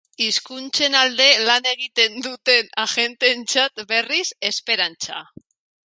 Hizkuntzen alde lan egiten duten agenteentzat, berriz, esperantza.